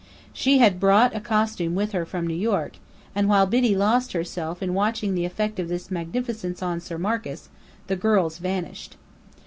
She had brought a costume with her from New York; and while Biddy "lost herself" in watching the effect of this magnificence on Sir Marcus, the girls vanished.